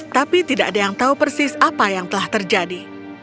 tapi tidak ada yang tahu persis apa yang telah terjadi